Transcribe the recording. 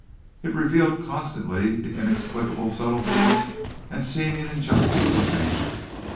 It revealed constantly the inexplicable subtleties and seeming injustices of nature.